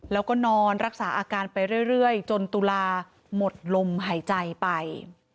แล้วก็นอนรักษาอาการไปเรื่อยจนตุลาหมดลมหายใจไป